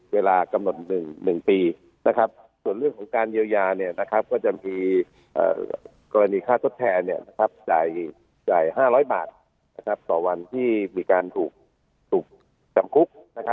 เพราะถ้าการเยียวยาจะมีกรณีค่าดอุปอธิษฎ์แทนจ่าย๕๐๐บาทต่อวันที่มีการถูกจำคุก